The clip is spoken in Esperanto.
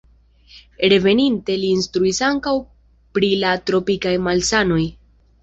Reveninte li instruis ankaŭ pri la tropikaj malsanoj.